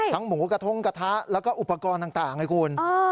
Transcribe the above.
หมูกระทงกระทะแล้วก็อุปกรณ์ต่างให้คุณ